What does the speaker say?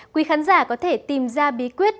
quý khán giả có thể tìm ra bí quyết